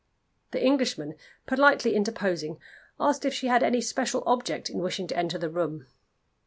The Englishman politely interposing, asked if she had any special object in wishing to enter the room.